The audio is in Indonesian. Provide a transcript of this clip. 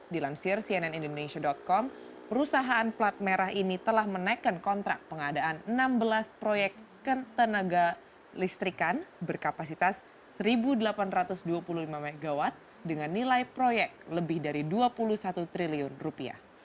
dilansir cnn indonesia com perusahaan plat merah ini telah menaikkan kontrak pengadaan enam belas proyek ketenaga listrikan berkapasitas satu delapan ratus dua puluh lima mw dengan nilai proyek lebih dari dua puluh satu triliun rupiah